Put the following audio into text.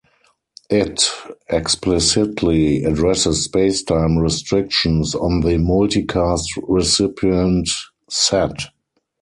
It explicitly addresses space-time restrictions on the multicast recipient set.